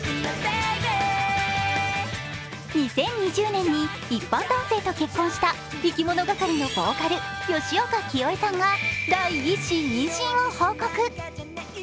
２０２０年に一般男性と結婚したいきものがかりのボーカル、吉岡聖恵さんが第一子妊娠を報告。